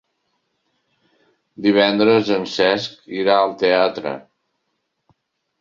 Divendres en Cesc irà al teatre.